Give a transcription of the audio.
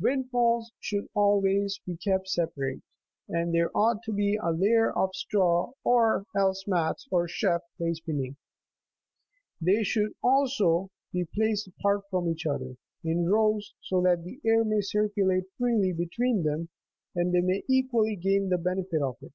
Windfalls should always be kept separate, and there ought to be a layer of straw, or else mats or chaff, placed beneath. They should, also, be placed apart from each other, in rows, so that the air may cir culate freely between them, and they may equally gain the benefit of it.